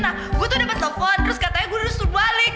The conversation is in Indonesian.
nah gue tuh dapat telepon terus katanya gue disuruh balik